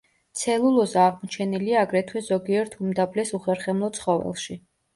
ცელულოზა აღმოჩენილია აგრეთვე ზოგიერთ უმდაბლეს უხერხემლო ცხოველში.